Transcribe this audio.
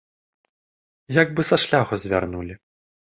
Як бы са шляху звярнулі.